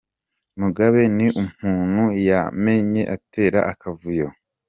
Mugabe ni umuntu yamye atera akavuyo .